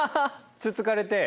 つっつかれて。